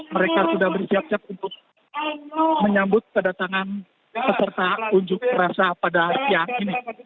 mereka sudah bersiap siap untuk menyambut kedatangan peserta unjuk rasa pada siang ini